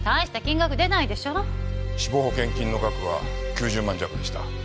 死亡保険金の額は９０万弱でした。